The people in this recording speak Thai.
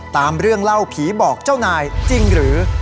ตามเรื่องเล่าผีบอกเจ้านายจริงหรือ